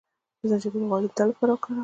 د زنجبیل غوړي د درد لپاره وکاروئ